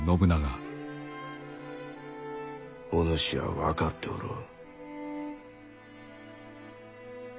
お主は分かっておろう？